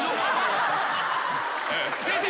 先生。